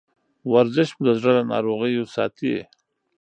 ورزش مو د زړه له ناروغیو ساتي.